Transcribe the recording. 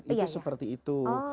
itu seperti itu